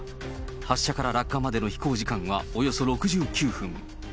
発射から落下までの飛行時間はおよそ６９分。